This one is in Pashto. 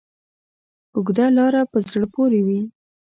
اوږده لاره په زړه پورې وي.